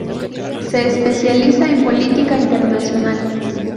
Se especializa en política internacional.